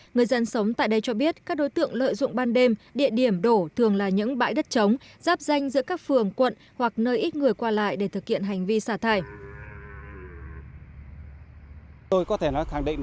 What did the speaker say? người dân sống tại đây cho biết các đối tượng lợi dụng ban đêm địa điểm đổ thường là những bãi đất trống giáp danh giữa các phường quận hoặc nơi ít người qua lại để thực hiện hành vi xả thải